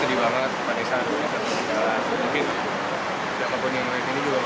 mungkin tidak mempunyai nilai ini juga